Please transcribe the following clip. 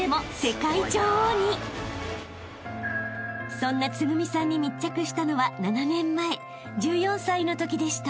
［そんなつぐみさんに密着したのは７年前１４歳のときでした］